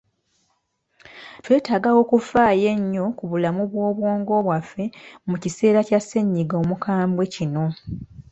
twetaaga okufaayo ku bulamu bw'obwongo bwaffe mu kiseera kya ssennyiga omukambwe kino.